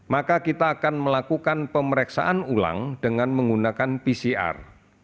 maka kita akan melakukan pemeriksaan ulang dengan menggunakan pcr